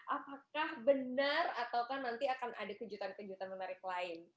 apakah benar atau nanti akan ada kejutan kejutan menarik lain